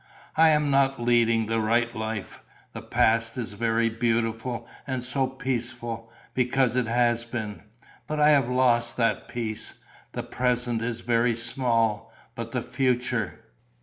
I am not leading the right life. The past is very beautiful and so peaceful, because it has been. But I have lost that peace. The present is very small. But the future!